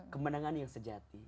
kemenangan yang sejati